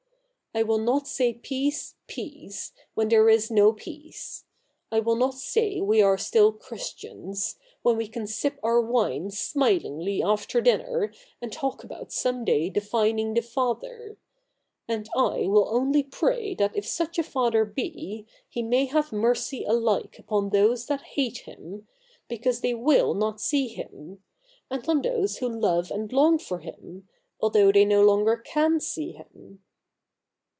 I will not say Peace, peace, when there is no peace. I will not say we are still Christians, when we can sip our wine smilingly after dinner, and talk about some day defining the Father : and I will only pray that if such a Father be, He may have mercy alike upon those that hate Him, because they «'/// not see Him ; and on those who love and long for Him, although they no longer capi see Him.'